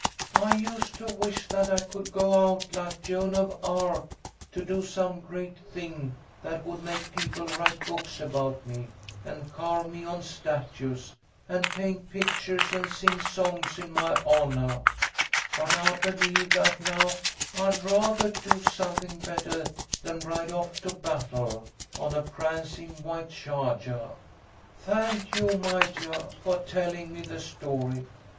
"I used to wish that I could go out like Joan of Arc to do some great thing that would make people write books about me, and carve me on statues, and paint pictures and sing songs in my honah, but I believe that now I'd rathah do something bettah than ride off to battle on a prancin' white chargah. Thank you, Majah, for tellin' me the story.